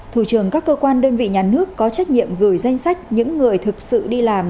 thủ trường các cơ quan đơn vị nhà nước có trách nhiệm gửi danh sách những người thực sự đi làm